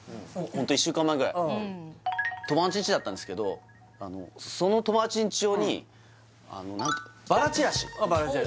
ホント１週間前ぐらい友達んちだったんですけどその友達んち用にあの何だばらちらし！